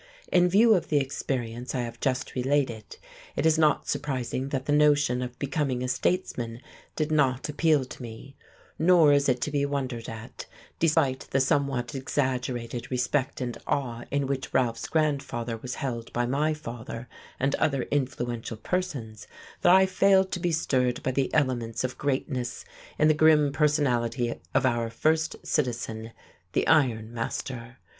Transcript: In view of the experience I have just related, it is not surprising that the notion of becoming a statesman did not appeal to me; nor is it to be wondered at, despite the somewhat exaggerated respect and awe in which Ralph's grandfather was held by my father and other influential persons, that I failed to be stirred by the elements of greatness in the grim personality of our first citizen, the iron master.